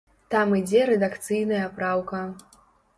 Там ідзе рэдакцыйная праўка.